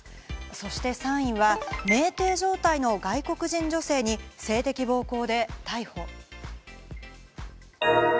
そして３位は酩酊状態の外国人女性に性的暴行で逮捕。